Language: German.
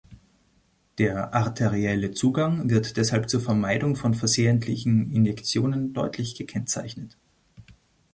Der arterielle Zugang wird deshalb zur Vermeidung von versehentlichen Injektionen deutlich gekennzeichnet.